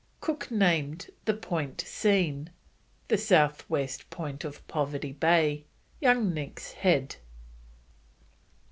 Cook named the point seen, the south west point of Poverty Bay, Young Nick's Head.